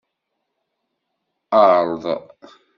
Erḍ.